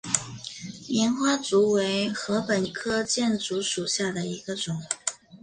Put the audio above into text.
棉花竹为禾本科箭竹属下的一个种。